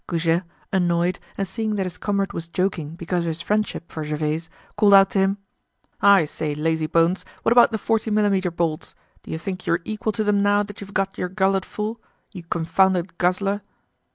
Goujet, annoyed and seeing that his comrade was joking because of his friendship for Gervaise, called out to him: "I say, lazybones, what about the forty millimetre bolts? Do you think you're equal to them now that you've got your gullet full, you confounded guzzler?"